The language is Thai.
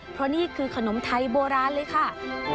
เพราะนี่คือขนมไทยโบราณเลยค่ะ